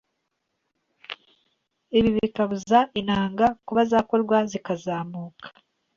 ibi bikabuza intanga kuba zakorwa zikazamuka.